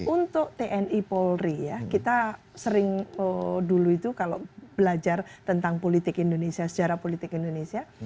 untuk tni polri ya kita sering dulu itu kalau belajar tentang politik indonesia sejarah politik indonesia